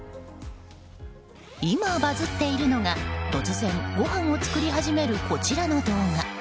今バズっているのが突然ごはんを作り始めるこちらの動画。